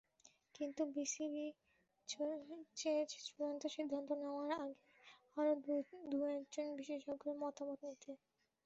কিন্তু বিসিবি চেয়েছে চূড়ান্ত সিদ্ধান্ত নেওয়ার আগে আরও দু-একজন বিশেষজ্ঞের মতামত নিতে।